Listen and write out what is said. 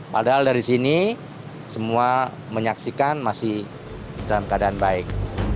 padahal dari sini semua menyaksikan masih dalam keadaan baik